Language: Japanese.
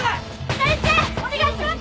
先生お願いします。